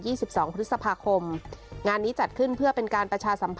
สิบสองพฤษภาคมงานนี้จัดขึ้นเพื่อเป็นการประชาสัมพันธ